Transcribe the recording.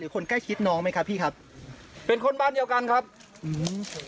คนใกล้ชิดน้องไหมครับพี่ครับเป็นคนบ้านเดียวกันครับอืม